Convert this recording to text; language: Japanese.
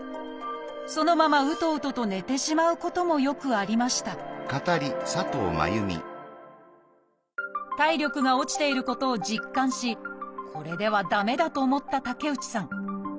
そのままうとうとと寝てしまうこともよくありました体力が落ちていることを実感しこれでは駄目だと思った竹内さん。